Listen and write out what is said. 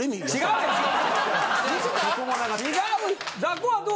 違う！